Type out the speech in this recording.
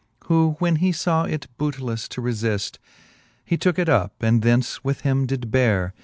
Who when he faw it booteleflfe to refift, He tooke it up, and thence with him did beare.